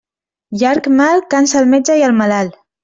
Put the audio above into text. Llarg mal cansa el metge i el malalt.